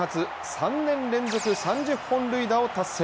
３年連続３０本塁打を達成。